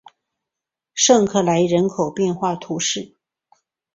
圣克莱人口变化图示